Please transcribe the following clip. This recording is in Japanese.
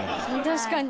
確かに。